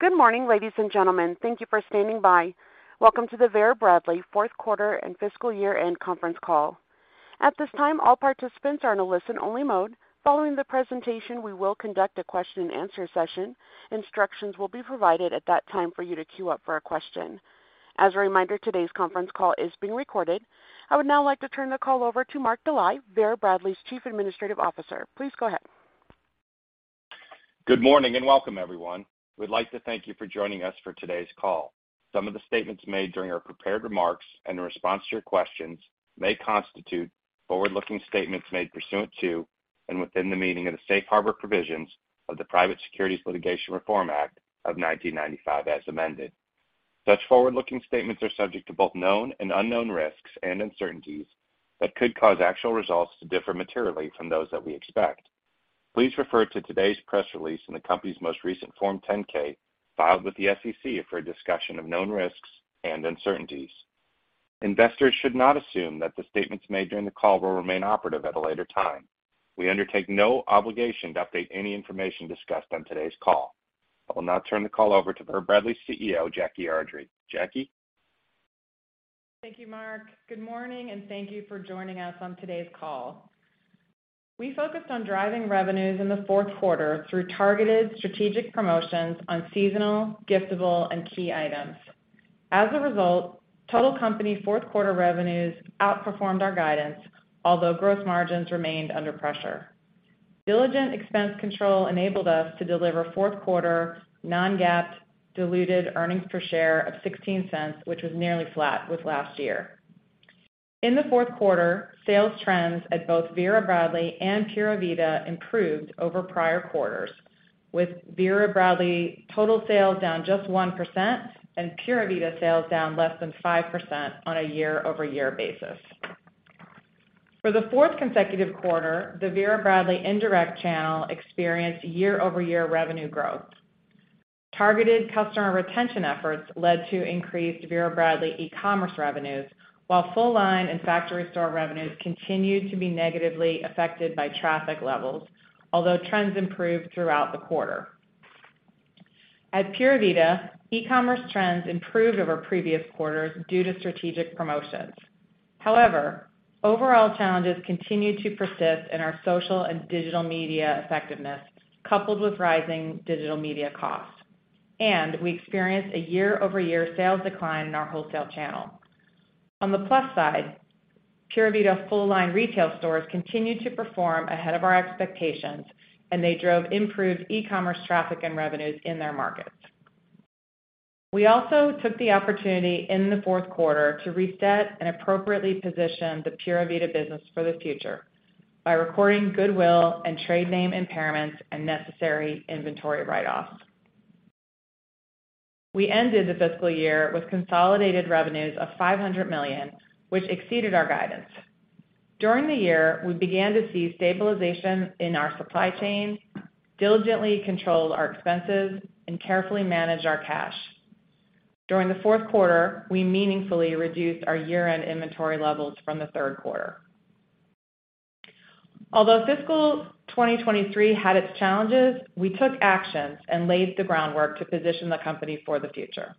Good morning, ladies and gentlemen. Thank you for standing by. Welcome to the Vera Bradley fourth quarter and fiscal year end conference call. At this time, all participants are in a listen-only mode. Following the presentation, we will conduct a question-and-answer session. Instructions will be provided at that time for you to queue up for a question. As a reminder, today's conference call is being recorded. I would now like to turn the call over to Mark Dely, Vera Bradley's Chief Administrative Officer. Please go ahead. Good morning, and welcome, everyone. We'd like to thank you for joining us for today's call. Some of the statements made during our prepared remarks and in response to your questions may constitute forward-looking statements made pursuant to and within the meaning of the Safe Harbor Provisions of the Private Securities Litigation Reform Act of 1995, as amended. Such forward-looking statements are subject to both known and unknown risks and uncertainties that could cause actual results to differ materially from those that we expect. Please refer to today's press release in the company's most recent Form 10-K filed with the SEC for a discussion of known risks and uncertainties. Investors should not assume that the statements made during the call will remain operative at a later time. We undertake no obligation to update any information discussed on today's call. I will now turn the call over to Vera Bradley's CEO, Jackie Ardrey. Jackie? Thank you, Mark. Good morning, thank you for joining us on today's call. We focused on driving revenues in the fourth quarter through targeted strategic promotions on seasonal, giftable, and key items. As a result, total company fourth quarter revenues outperformed our guidance, although gross margins remained under pressure. Diligent expense control enabled us to deliver fourth quarter non-GAAP diluted earnings per share of $0.16, which was nearly flat with last year. In the fourth quarter, sales trends at both Vera Bradley and Pura Vida improved over prior quarters, with Vera Bradley total sales down just 1% and Pura Vida sales down less than 5% on a year-over-year basis. For the fourth consecutive quarter, the Vera Bradley indirect channel experienced year-over-year revenue growth. Targeted customer retention efforts led to increased Vera Bradley e-commerce revenues, while full-line and factory store revenues continued to be negatively affected by traffic levels, although trends improved throughout the quarter. At Pura Vida, e-commerce trends improved over previous quarters due to strategic promotions. However, overall challenges continued to persist in our social and digital media effectiveness, coupled with rising digital media costs, and we experienced a year-over-year sales decline in our wholesale channel. On the plus side, Pura Vida full-line retail stores continued to perform ahead of our expectations, and they drove improved e-commerce traffic and revenues in their markets. We also took the opportunity in the fourth quarter to reset and appropriately position the Pura Vida business for the future by recording goodwill and trade name impairments and necessary inventory write-offs. We ended the fiscal year with consolidated revenues of $500 million, which exceeded our guidance. During the year, we began to see stabilization in our supply chain, diligently controlled our expenses, and carefully managed our cash. During the fourth quarter, we meaningfully reduced our year-end inventory levels from the third quarter. Although fiscal 2023 had its challenges, we took actions and laid the groundwork to position the company for the future.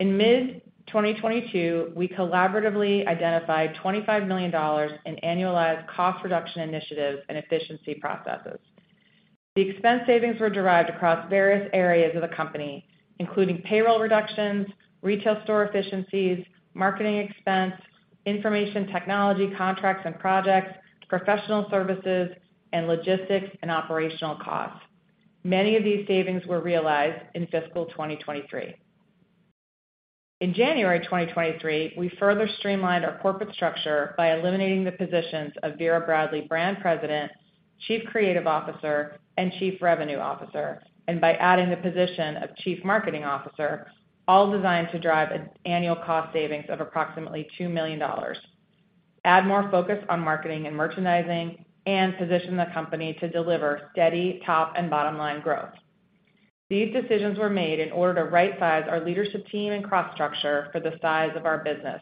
In mid-2022, we collaboratively identified $25 million in annualized cost reduction initiatives and efficiency processes. The expense savings were derived across various areas of the company, including payroll reductions, retail store efficiencies, marketing expense, information technology contracts and projects, professional services, and logistics and operational costs. Many of these savings were realized in fiscal 2023. In January 2023, we further streamlined our corporate structure by eliminating the positions of Vera Bradley brand president, chief creative officer, and chief revenue officer. By adding the position of Chief Marketing Officer, all designed to drive an annual cost savings of approximately $2 million, add more focus on marketing and merchandising, and position the company to deliver steady top and bottom line growth. These decisions were made in order to rightsize our leadership team and cross structure for the size of our business,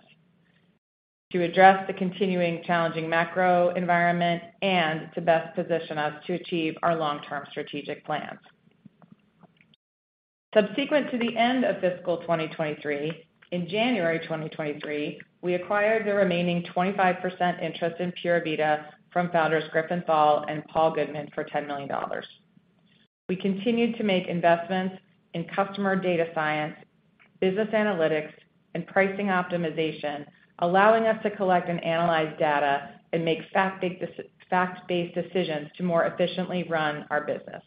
to address the continuing challenging macro environment and to best position us to achieve our long-term strategic plans. Subsequent to the end of fiscal 2023, in January 2023, we acquired the remaining 25% interest in Pura Vida from founders Griffin Thall and Paul Goodman for $10 million. We continued to make investments in customer data science, business analytics, and pricing optimization, allowing us to collect and analyze data and make fact-based decisions to more efficiently run our business.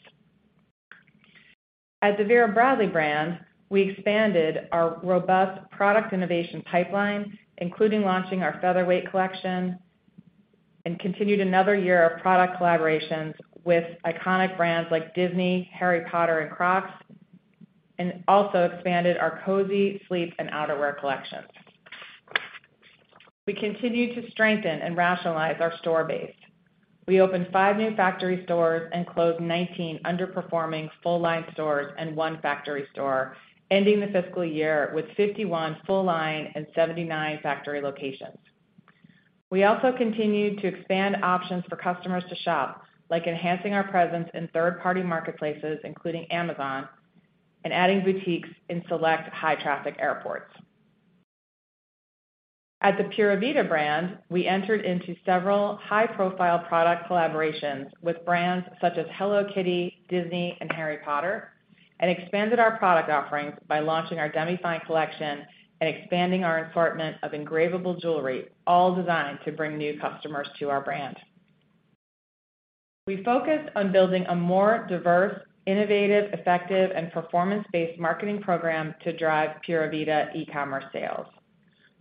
At the Vera Bradley, we expanded our robust product innovation pipeline, including launching our Featherweight collection and continued another year of product collaborations with iconic brands like Disney, Harry Potter, and Crocs, and also expanded our cozy sleep and outerwear collections. We continued to strengthen and rationalize our store base. We opened 5 new factory stores and closed 19 underperforming full line stores and 1 factory store, ending the fiscal year with 51 full line and 79 factory locations. We also continued to expand options for customers to shop, like enhancing our presence in third-party marketplaces, including Amazon, and adding boutiques in select high-traffic airports. At the Pura Vida brand, we entered into several high-profile product collaborations with brands such as Hello Kitty, Disney, and Harry Potter, and expanded our product offerings by launching our Demi-Fine Collection and expanding our assortment of engravable jewelry, all designed to bring new customers to our brand. We focused on building a more diverse, innovative, effective, and performance-based marketing program to drive Pura Vida e-commerce sales.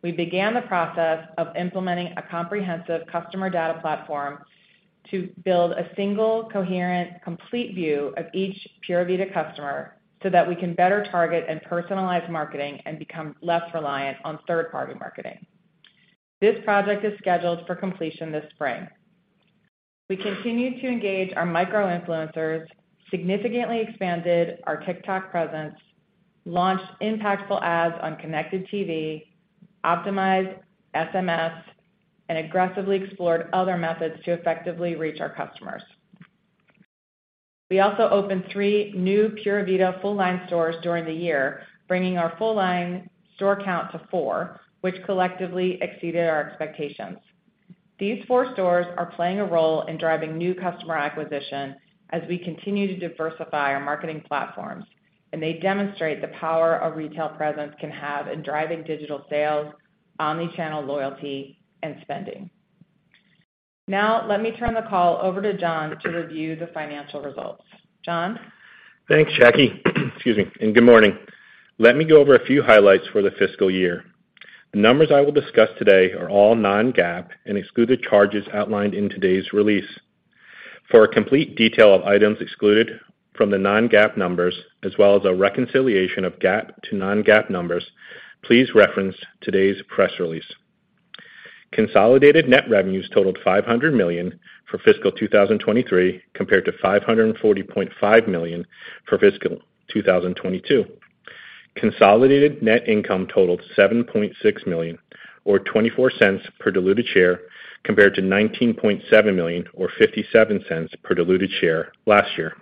We began the process of implementing a comprehensive customer data platform to build a single, coherent, complete view of each Pura Vida customer, so that we can better target and personalize marketing and become less reliant on third-party marketing. This project is scheduled for completion this spring. We continued to engage our micro-influencers, significantly expanded our TikTok presence, launched impactful ads on Connected TV, optimized SMS, and aggressively explored other methods to effectively reach our customers. We also opened three new Pura Vida full-line stores during the year, bringing our full-line store count to four, which collectively exceeded our expectations. These four stores are playing a role in driving new customer acquisition as we continue to diversify our marketing platforms, they demonstrate the power a retail presence can have in driving digital sales, omni-channel loyalty, and spending. Now, let me turn the call over to John to review the financial results. John? Thanks, Jackie. Excuse me. Good morning. Let me go over a few highlights for the fiscal year. The numbers I will discuss today are all non-GAAP and exclude the charges outlined in today's release. For a complete detail of items excluded from the non-GAAP numbers, as well as a reconciliation of GAAP to non-GAAP numbers, please reference today's press release. Consolidated net revenues totaled $500 million for fiscal 2023, compared to $540.5 million for fiscal 2022. Consolidated net income totaled $7.6 million, or $0.24 per diluted share, compared to $19.7 million or $0.57 per diluted share last year.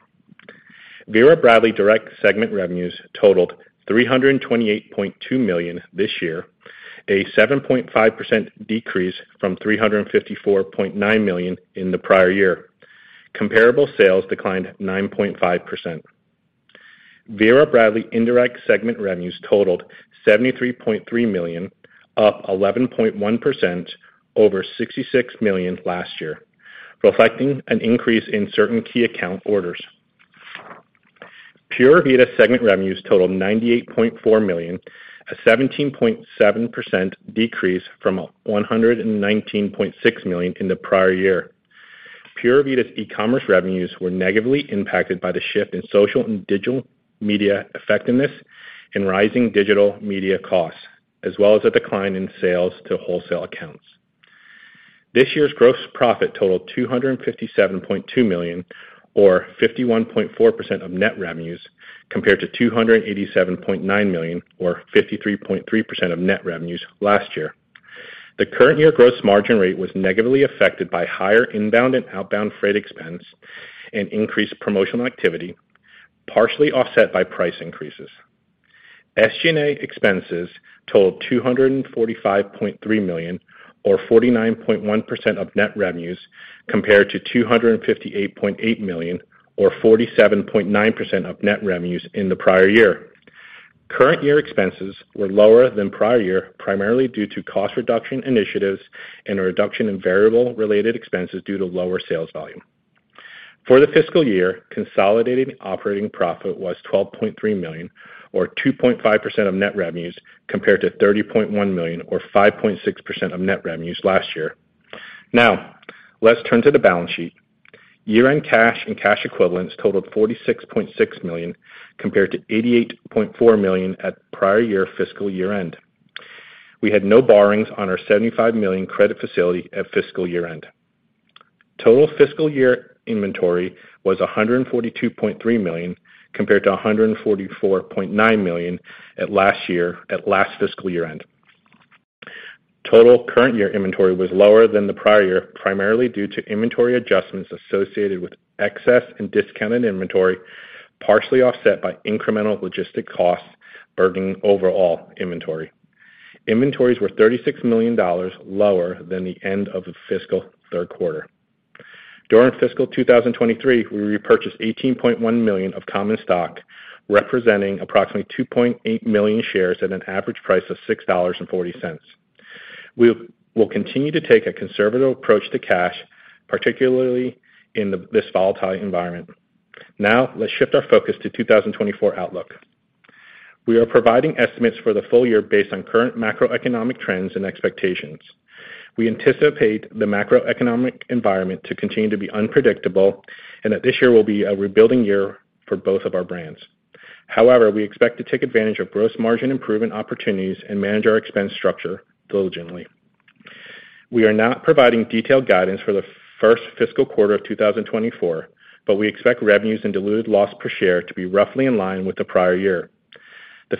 Vera Bradley direct segment revenues totaled $328.2 million this year, a 7.5% decrease from $354.9 million in the prior year. Comparable sales declined 9.5%. Vera Bradley indirect segment revenues totaled $73.3 million, up 11.1% over $66 million last year, reflecting an increase in certain key account orders. Pura Vida segment revenues totaled $98.4 million, a 17.7% decrease from $119.6 million in the prior year. Pura Vida's e-commerce revenues were negatively impacted by the shift in social and digital media effectiveness and rising digital media costs, as well as a decline in sales to wholesale accounts. This year's gross profit totaled $257.2 million or 51.4% of net revenues, compared to $287.9 million or 53.3% of net revenues last year. The current year gross margin rate was negatively affected by higher inbound and outbound freight expense and increased promotional activity, partially offset by price increases. SG&A expenses totaled $245.3 million or 49.1% of net revenues, compared to $258.8 million or 47.9% of net revenues in the prior year. Current year expenses were lower than prior year, primarily due to cost reduction initiatives and a reduction in variable-related expenses due to lower sales volume. For the fiscal year, consolidated operating profit was $12.3 million or 2.5% of net revenues, compared to $30.1 million or 5.6% of net revenues last year. Now, let's turn to the balance sheet. Year-end cash and cash equivalents totaled $46.6 million compared to $88.4 million at prior-year fiscal year-end. We had no borrowings on our $75 million credit facility at fiscal year-end. Total fiscal year inventory was $142.3 million compared to $144.9 million at last fiscal year-end. Total current year inventory was lower than the prior year, primarily due to inventory adjustments associated with excess and discounted inventory, partially offset by incremental logistic costs burdening overall inventory. Inventories were $36 million lower than the end of the fiscal third quarter. During fiscal 2023, we repurchased $18.1 million of common stock, representing approximately 2.8 million shares at an average price of $6.40. We'll continue to take a conservative approach to cash, particularly in this volatile environment. Let's shift our focus to 2024 outlook. We are providing estimates for the full year based on current macroeconomic trends and expectations. We anticipate the macroeconomic environment to continue to be unpredictable and that this year will be a rebuilding year for both of our brands. We expect to take advantage of gross margin improvement opportunities and manage our expense structure diligently. We are not providing detailed guidance for the first fiscal quarter of 2024. We expect revenues and diluted loss per share to be roughly in line with the prior year. The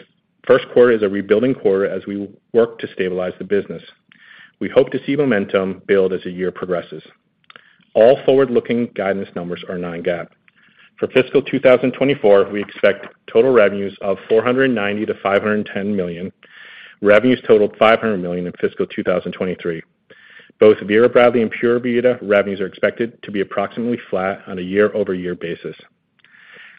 first quarter is a rebuilding quarter as we work to stabilize the business. We hope to see momentum build as the year progresses. All forward-looking guidance numbers are non-GAAP. For fiscal 2024, we expect total revenues of $490 million to $510 million. Revenues totaled $500 million in fiscal 2023. Both Vera Bradley and Pura Vida revenues are expected to be approximately flat on a year-over-year basis.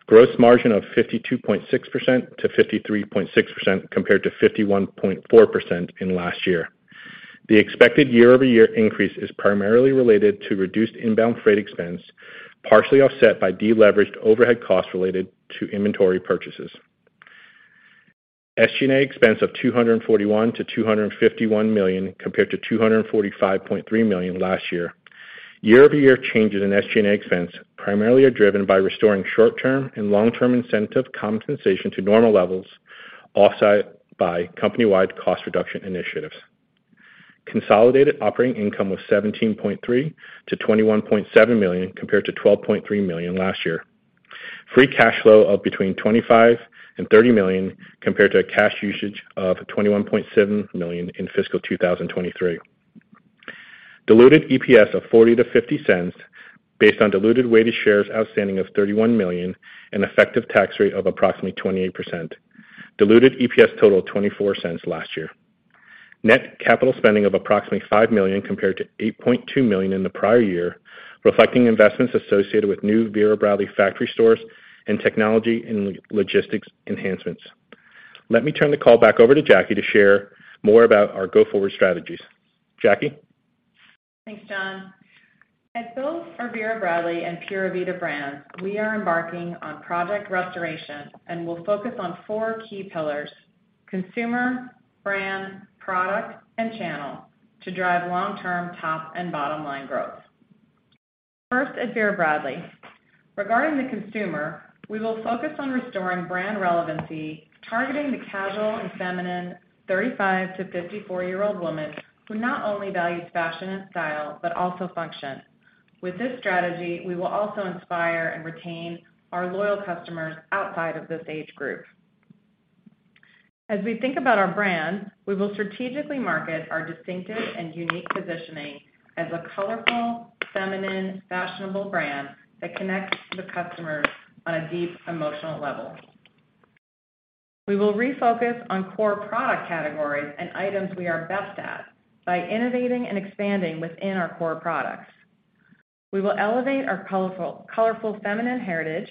Gross margin of 52.6% to 53.6% compared to 51.4% in last year. The expected year-over-year increase is primarily related to reduced inbound freight expense, partially offset by deleveraged overhead costs related to inventory purchases. SG&A expense of $241 million to $251 million compared to $245.3 million last year. Year-over-year changes in SG&A expense primarily are driven by restoring short-term and long-term incentive compensation to normal levels, offset by company-wide cost reduction initiatives. Consolidated operating income was $17.3 million-$21.7 million compared to $12.3 million last year. Free cash flow of between $25 million and $30 million compared to a cash usage of $21.7 million in fiscal 2023. Diluted EPS of $0.40-$0.50 based on diluted weighted shares outstanding of 31 million and effective tax rate of approximately 28%. Diluted EPS totaled $0.24 last year. Net capital spending of approximately $5 million compared to $8.2 million in the prior year, reflecting investments associated with new Vera Bradley factory stores and technology and logistics enhancements. Let me turn the call back over to Jackie to share more about our go-forward strategies. Jackie? Thanks, John. At both our Vera Bradley and Pura Vida brands, we are embarking on Project Restoration, we'll focus on 4 key pillars: consumer, brand, product, and channel, to drive long-term top and bottom-line growth. First at Vera Bradley. Regarding the consumer, we will focus on restoring brand relevancy, targeting the casual and feminine 35 to 54-year-old woman who not only values fashion and style, but also function. With this strategy, we will also inspire and retain our loyal customers outside of this age group. As we think about our brand, we will strategically market our distinctive and unique positioning as a colorful, feminine, fashionable brand that connects to the customers on a deep emotional level. We will refocus on core product categories and items we are best at by innovating and expanding within our core products. We will elevate our colorful feminine heritage,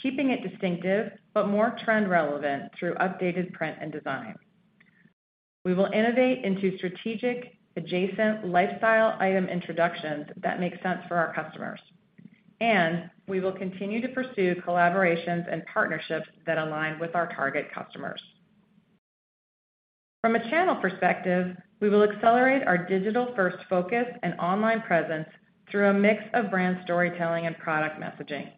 keeping it distinctive but more trend relevant through updated print and design. We will innovate into strategic adjacent lifestyle item introductions that make sense for our customers. We will continue to pursue collaborations and partnerships that align with our target customers. From a channel perspective, we will accelerate our digital-first focus and online presence through a mix of brand storytelling and product messaging.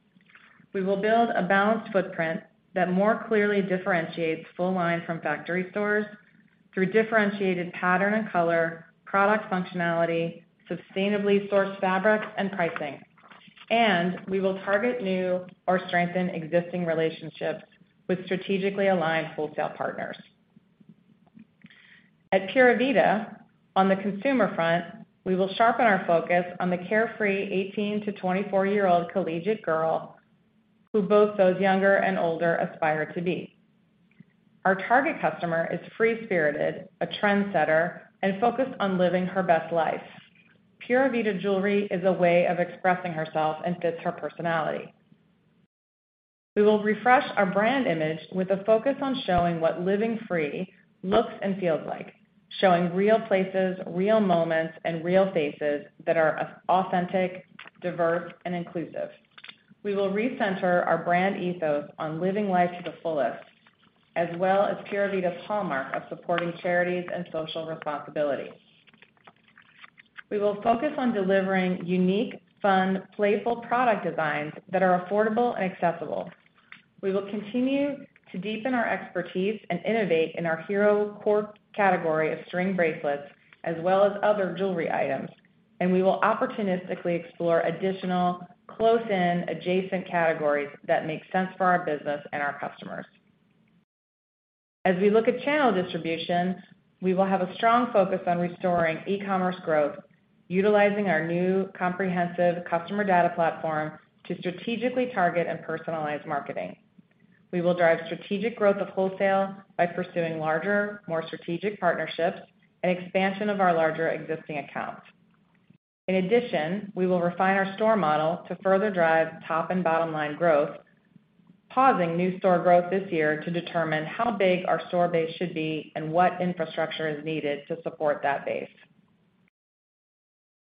We will build a balanced footprint that more clearly differentiates full line from factory stores through differentiated pattern and color, product functionality, sustainably sourced fabrics and pricing. We will target new or strengthen existing relationships with strategically aligned wholesale partners. At Pura Vida, on the consumer front, we will sharpen our focus on the carefree 18-24-year-old collegiate girl who both those younger and older aspire to be. Our target customer is free-spirited, a trendsetter, and focused on living her best life. Pura Vida jewelry is a way of expressing herself and fits her personality. We will refresh our brand image with a focus on showing what living free looks and feels like, showing real places, real moments, and real faces that are authentic, diverse, and inclusive. We will recenter our brand ethos on living life to the fullest, as well as Pura Vida's hallmark of supporting charities and social responsibility. We will focus on delivering unique, fun, playful product designs that are affordable and accessible. We will continue to deepen our expertise and innovate in our hero core category of string bracelets as well as other jewelry items, and we will opportunistically explore additional close in adjacent categories that make sense for our business and our customers. As we look at channel distribution, we will have a strong focus on restoring e-commerce growth, utilizing our new comprehensive customer data platform to strategically target and personalize marketing. We will drive strategic growth of wholesale by pursuing larger, more strategic partnerships and expansion of our larger existing accounts. In addition, we will refine our store model to further drive top and bottom line growth, pausing new store growth this year to determine how big our store base should be and what infrastructure is needed to support that base.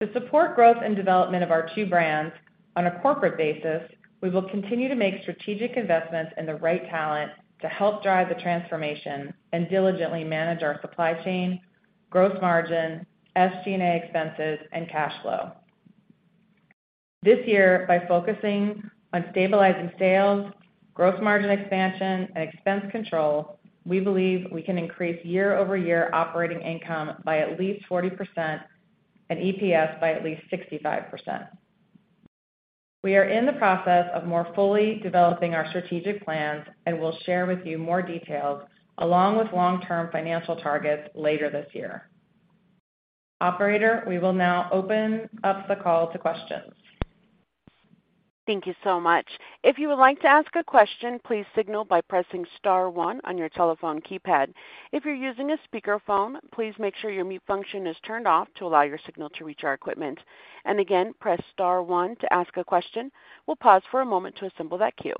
To support growth and development of our two brands on a corporate basis, we will continue to make strategic investments in the right talent to help drive the transformation and diligently manage our supply chain, gross margin, SG&A expenses, and cash flow. This year, by focusing on stabilizing sales, growth margin expansion, and expense control, we believe we can increase year-over-year operating income by at least 40% and EPS by at least 65%. We are in the process of more fully developing our strategic plans. We'll share with you more details along with long-term financial targets later this year. Operator, we will now open up the call to questions. Thank you so much. If you would like to ask a question, please signal by pressing star one on your telephone keypad. If you're using a speakerphone, please make sure your mute function is turned off to allow your signal to reach our equipment. Again, press star one to ask a question. We'll pause for a moment to assemble that queue.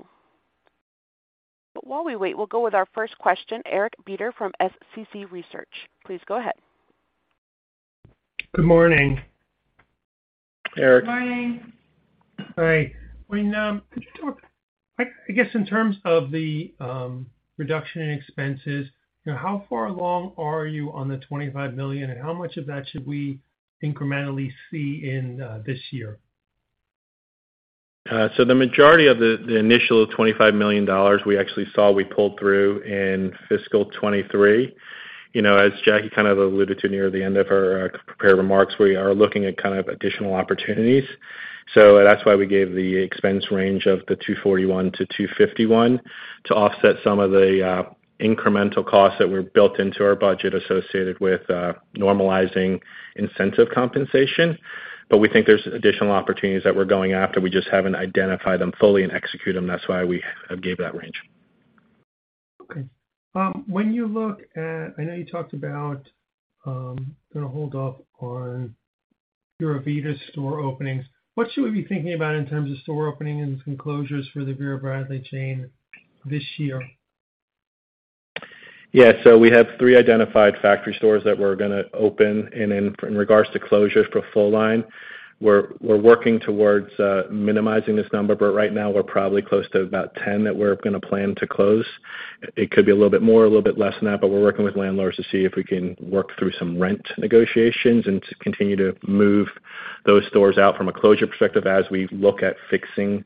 While we wait, we'll go with our first question, Eric Beder from SCC Research. Please go ahead. Good morning. Eric. Good morning. Hi. When, could you talk, I guess, in terms of the reduction in expenses, you know, how far along are you on the $25 million, and how much of that should we incrementally see in this year? The majority of the initial $25 million we actually saw we pulled through in fiscal 2023. You know, as Jackie kind of alluded to near the end of her prepared remarks, we are looking at kind of additional opportunities. That's why we gave the expense range of the $241-$251 to offset some of the incremental costs that were built into our budget associated with normalizing incentive compensation. We think there's additional opportunities that we're going after. We just haven't identified them fully and execute them. That's why we gave that range. I know you talked about, gonna hold off on your Pura Vida store openings. What should we be thinking about in terms of store openings and closures for the Vera Bradley chain this year? Yeah. We have 3 identified factory stores that we're gonna open. In regards to closures for full line, we're working towards minimizing this number, but right now we're probably close to about 10 that we're gonna plan to close. It could be a little bit more, a little bit less than that, but we're working with landlords to see if we can work through some rent negotiations and to continue to move those stores out from a closure perspective as we look at fixing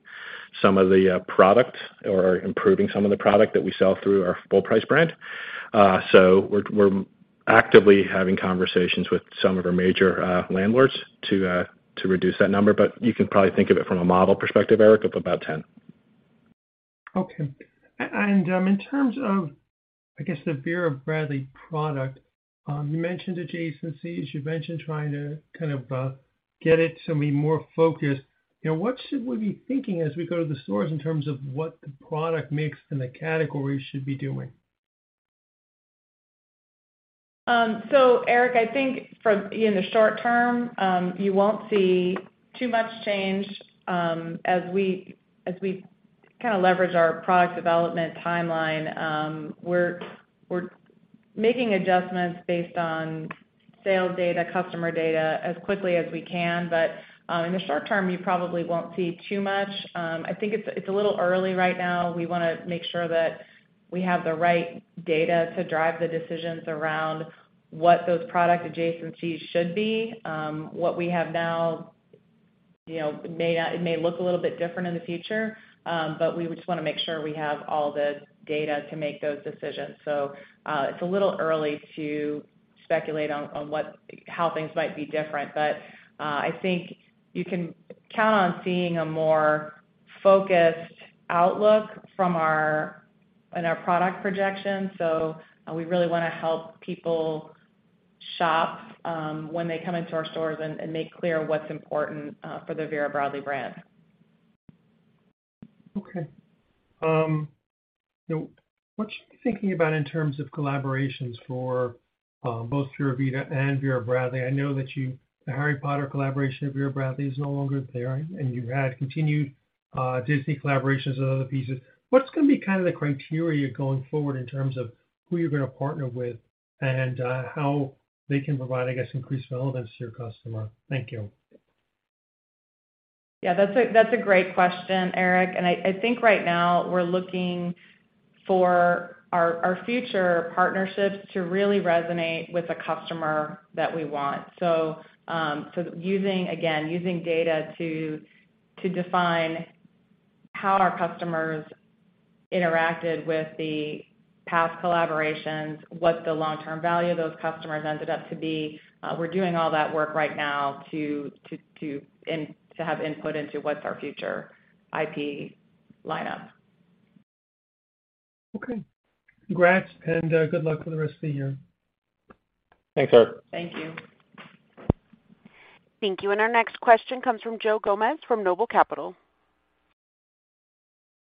some of the product or improving some of the product that we sell through our full price brand. We're actively having conversations with some of our major landlords to reduce that number, but you can probably think of it from a model perspective, Eric, of about 10. Okay. In terms of, I guess, the Vera Bradley product, you mentioned adjacencies. You mentioned trying to kind of get it to be more focused. You know, what should we be thinking as we go to the stores in terms of what the product mix and the categories should be doing? Eric, I think for, in the short term, you won't see too much change. As we kinda leverage our product development timeline, we're making adjustments based on sales data, customer data as quickly as we can. In the short term, you probably won't see too much. I think it's a little early right now. We wanna make sure that we have the right data to drive the decisions around what those product adjacencies should be. What we have now, you know, it may look a little bit different in the future, we just wanna make sure we have all the data to make those decisions. It's a little early to speculate on how things might be different. I think you can count on seeing a more focused outlook in our product projections. We really wanna help people shop when they come into our stores and make clear what's important for the Vera Bradley brand. Now, what you're thinking about in terms of collaborations for both Pura Vida and Vera Bradley. I know that the Harry Potter collaboration of Vera Bradley is no longer there, and you had continued Disney collaborations and other pieces. What's gonna be kinda the criteria going forward in terms of who you're gonna partner with and how they can provide, I guess, increased relevance to your customer? Thank you. That's a great question, Eric. I think right now we're looking for our future partnerships to really resonate with the customer that we want. again, using data to define how our customers interacted with the past collaborations, what the long-term value of those customers ended up to be, we're doing all that work right now to have input into what's our future IP lineup. Okay. Congrats and good luck with the rest of the year. Thanks, Eric. Thank you. Thank you. Our next question comes from Joe Gomes from Noble Capital.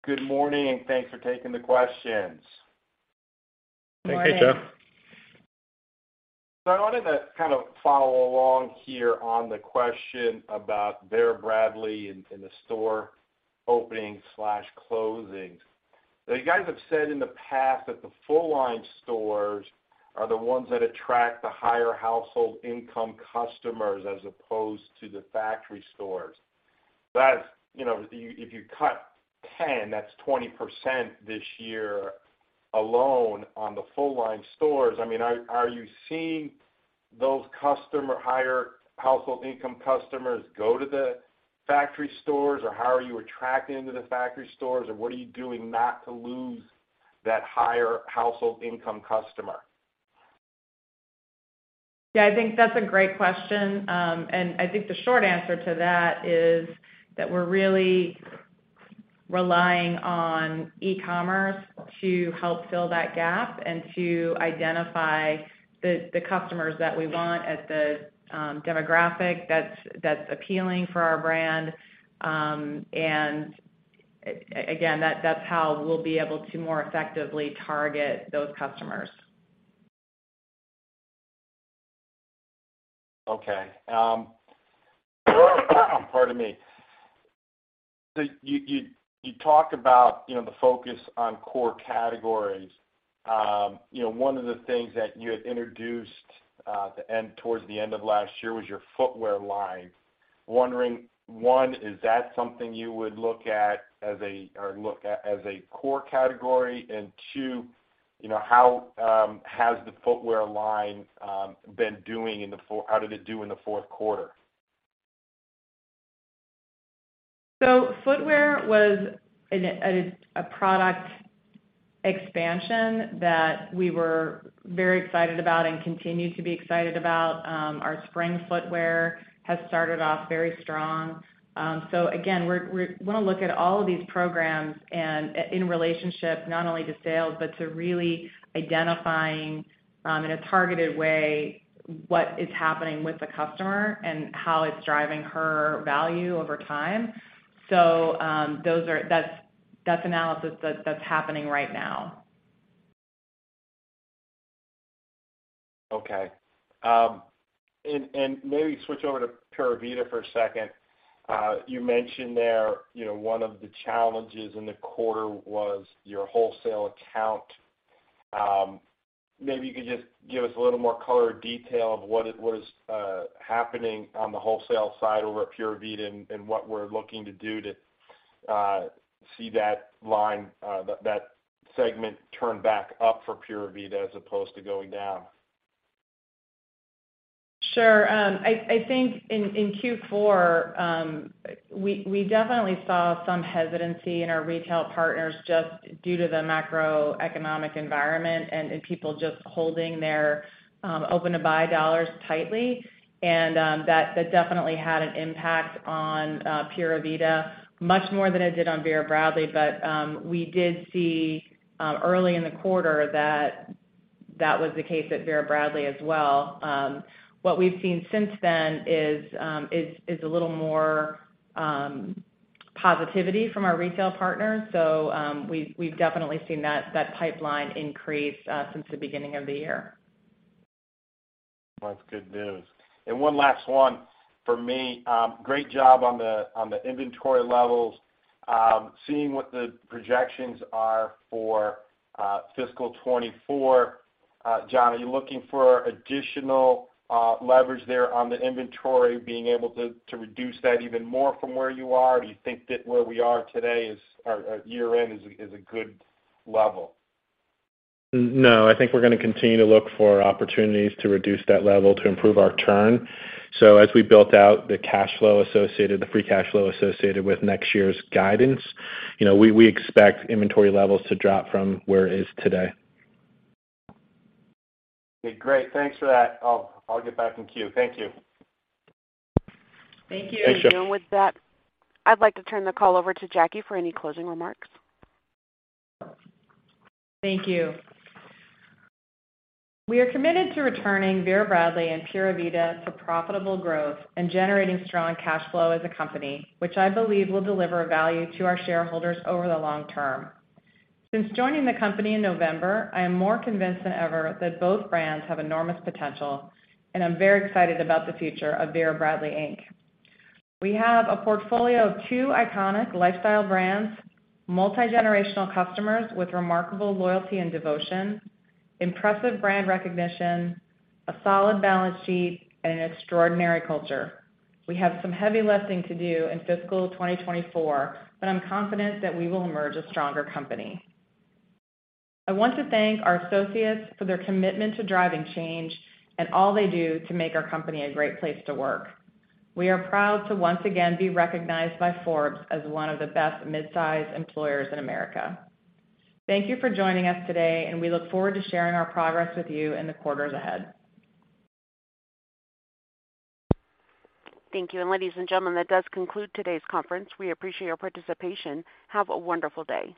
Good morning, and thanks for taking the questions. Good morning. Hey, Joe. I wanted to kind of follow along here on the question about Vera Bradley in the store opening slash closings. Now, you guys have said in the past that the full-line stores are the ones that attract the higher household income customers as opposed to the factory stores. That's, you know, if you, if you cut 10, that's 20% this year alone on the full-line stores. I mean, are you seeing those higher household income customers go to the factory stores, or how are you attracting them to the factory stores, or what are you doing not to lose that higher household income customer? Yeah, I think that's a great question. I think the short answer to that is that we're really relying on e-commerce to help fill that gap and to identify the customers that we want as the demographic that's appealing for our brand. Again, that's how we'll be able to more effectively target those customers. Pardon me. You talk about, you know, the focus on core categories. You know, one of the things that you had introduced towards the end of last year was your footwear line. Wondering, one, is that something you would look at as a core category? Two, you know, how has the footwear line been doing? How did it do in the fourth quarter? Footwear was a product expansion that we were very excited about and continue to be excited about. Our spring footwear has started off very strong. Again, we wanna look at all of these programs and in relationship not only to sales, but to really identifying, in a targeted way, what is happening with the customer and how it's driving her value over time. That's analysis that's happening right now. Okay. Maybe switch over to Pura Vida for a second. You mentioned there, you know, one of the challenges in the quarter was your wholesale account. Maybe you could just give us a little more color or detail of what it was happening on the wholesale side over at Pura Vida and what we're looking to do to see that line, that segment turn back up for Pura Vida as opposed to going down? Sure. I think in Q4, we definitely saw some hesitancy in our retail partners just due to the macroeconomic environment and people just holding their open-to-buy dollars tightly. That definitely had an impact on Pura Vida much more than it did on Vera Bradley. We did see early in the quarter that that was the case at Vera Bradley as well. What we've seen since then is a little more positivity from our retail partners. We've definitely seen that pipeline increase since the beginning of the year. That's good news. One last one for me. great job on the, on the inventory levels. seeing what the projections are for, fiscal 2024, John, are you looking for additional, leverage there on the inventory being able to reduce that even more from where you are? Do you think that where we are today is, or at year-end is a good level? No, I think we're gonna continue to look for opportunities to reduce that level to improve our turn. As we built out the cash flow associated, the free cash flow associated with next year's guidance, you know, we expect inventory levels to drop from where it is today. Okay, great. Thanks for that. I'll get back in queue. Thank you. Thank you. Thanks, Joe. With that, I'd like to turn the call over to Jackie for any closing remarks. Thank you. We are committed to returning Vera Bradley and Pura Vida to profitable growth and generating strong cash flow as a company, which I believe will deliver value to our shareholders over the long term. Since joining the company in November, I am more convinced than ever that both brands have enormous potential, and I'm very excited about the future of Vera Bradley, Inc.. We have a portfolio of two iconic lifestyle brands, multi-generational customers with remarkable loyalty and devotion, impressive brand recognition, a solid balance sheet, and an extraordinary culture. We have some heavy lifting to do in fiscal 2024, but I'm confident that we will emerge a stronger company. I want to thank our associates for their commitment to driving change and all they do to make our company a great place to work. We are proud to once again be recognized by Forbes as one of the best midsize employers in America. Thank you for joining us today, and we look forward to sharing our progress with you in the quarters ahead. Thank you. Ladies and gentlemen, that does conclude today's conference. We appreciate your participation. Have a wonderful day.